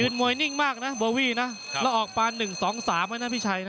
ยืนมวยนิ่งมากนะโบวี่แล้วออกพาวน์๑๒๓ก็นะพี่ชัย